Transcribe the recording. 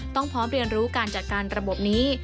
พร้อมเรียนรู้การจัดการระบบนี้